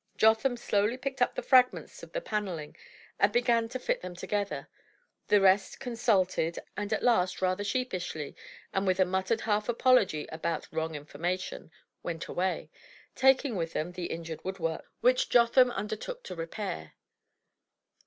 Jotham slowly picked up the fragments of the pannelling and began to fit them together. The rest consulted, and at last rather sheepishly, and with a muttered half apology about "wrong information," went away, taking with them the injured woodwork, which Jotham undertook to repair.